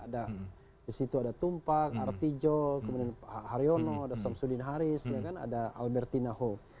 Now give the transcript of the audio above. ada di situ ada tumpak artijo kemudian pak haryono ada samsudin haris ada albertina ho